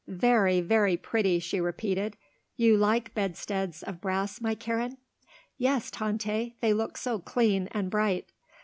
"Very, very pretty," she repeated. "You like bedsteads of brass, my Karen?" "Yes, Tante. They look so clean and bright."